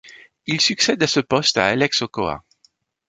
Il succède à ce poste à Alex Ochoa.